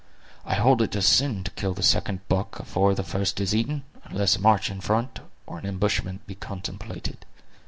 I hold it a sin to kill the second buck afore the first is eaten, unless a march in front, or an ambushment, be contemplated.